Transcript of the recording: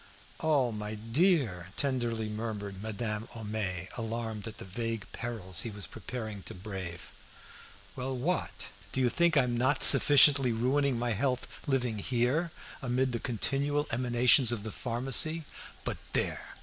"Oh, my dear!" tenderly murmured Madame Homais, alarmed at the vague perils he was preparing to brave. "Well, what? Do you think I'm not sufficiently ruining my health living here amid the continual emanations of the pharmacy? But there!